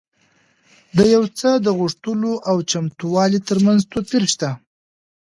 د یو څه د غوښتلو او چمتووالي ترمنځ توپیر شته